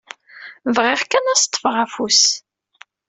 Bɣiɣ kan ad s-ṭṭfeɣ afus.